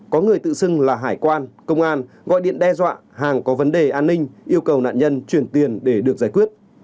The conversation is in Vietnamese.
có người tự xưng là hải quan công an gọi điện đe dọa hàng có vấn đề an ninh yêu cầu nạn nhân chuyển tiền để được giải quyết